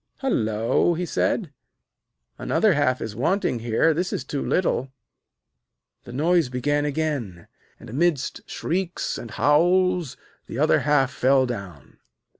'Hullo!' he said, 'another half is wanting here; this is too little.' The noise began again, and, amidst shrieks and howls, the other half fell down.